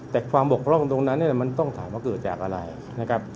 แต่ความบกพร่องตรงนั้นมันต้องถามว่าเกิดจากอะไรนะครับ